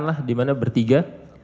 lah di mana bertiga